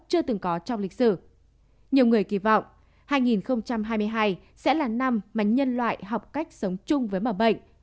nhiều người kỳ vọng hai nghìn hai mươi hai sẽ là năm mà nhân loại học cách sống chung với mầm bệnh